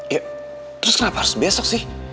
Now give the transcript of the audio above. ya terus kenapa harus besok sih